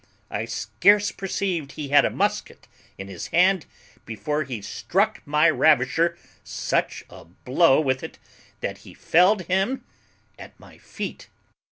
I scarce perceived he had a musket in his hand before he struck my ravisher such a blow with it that he felled him at my feet.